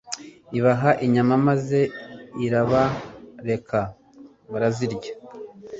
ibaha inyama, maze irabareka barazirya